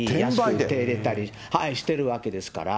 売れたりしているわけですから。